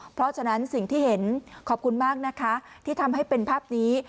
เพราะฉะนั้นสิ่งที่เห็นขอบคุณมากนะคะที่ทำให้เป็นภาพนี้